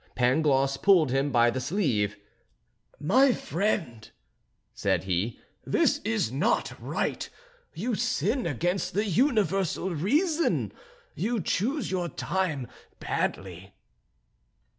Pangloss pulled him by the sleeve. "My friend," said he, "this is not right. You sin against the universal reason; you choose your time badly."